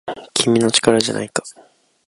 君の力じゃないか